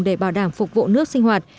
để bảo đảm phục vụ nước sinh hoạt